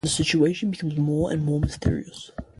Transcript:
The situation becomes more and more mysterious.